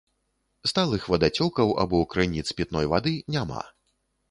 Сталых вадацёкаў або крыніц пітной вады няма.